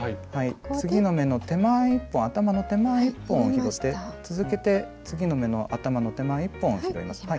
次の目の手前１本頭の手前１本を拾って続けて次の目の頭の手前１本を拾います。